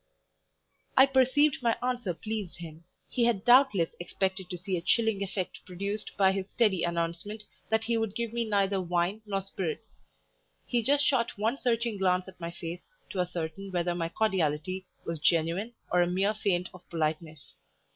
I perceived my answer pleased him; he had doubtless expected to see a chilling effect produced by his steady announcement that he would give me neither wine nor spirits; he just shot one searching glance at my face to ascertain whether my cordiality was genuine or a mere feint of politeness.